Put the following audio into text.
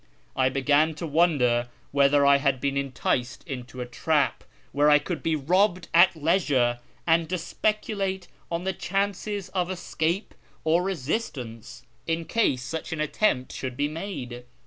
I be^an to wonder whether I had been enticed into a trap where I could be robbed at leisure, and to speculate on the chances of escape or resistance, in case such an attempt should be made.